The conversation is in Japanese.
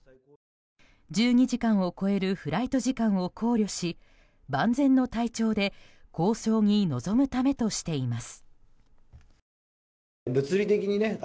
１２時間を超えるフライト時間を考慮し万全の体調で交渉に臨むためとしています。